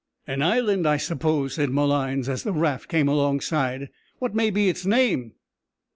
"An island, I suppose," said Malines, as the raft came alongside. "What may be its name?"